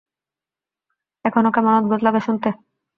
এখনো কেমন অদ্ভুত লাগে শুনতে।